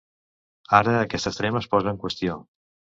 Ara aquest extrem es posa en qüestió.